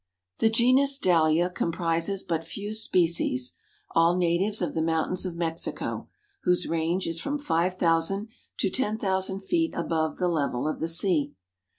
The genus Dahlia comprises but few species, all natives of the mountains of Mexico, whose range is from 5000 to 10,000 feet above the level of the sea.